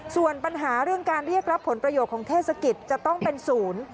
ส่วนปัญหาเรื่องการเรียกรับผลประโยชน์ของเทศกิจจะต้องเป็นศูนย์